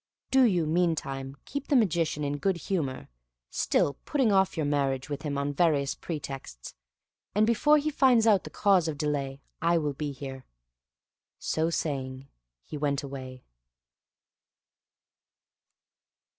Do you, meantime, keep the Magician in good humor—still putting off your marriage with him on various pretexts; and before he finds out the cause of delay, I will be here." So saying, he went away.